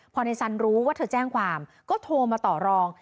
พอในสันรู้ว่าเธอแจ้งความก็โทรมาต่อรอง